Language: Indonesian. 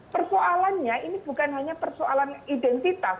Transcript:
persoalannya ini bukan hanya persoalan identitas